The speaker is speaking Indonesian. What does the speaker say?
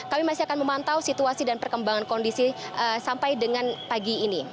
kami masih akan memantau situasi dan perkembangan kondisi sampai dengan pagi ini